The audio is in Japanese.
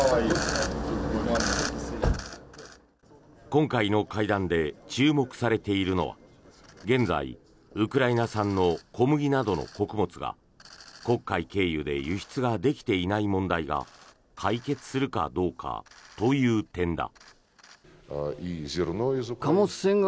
今回の会談で注目されているのは現在、ウクライナ産の小麦などの穀物が黒海経由で輸出ができていない問題が解決するかどうかという点だ。